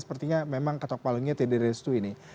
sepertinya memang ketok palungnya tidak direstui ini